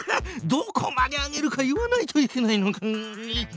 どこまで上げるか言わないといけないのか！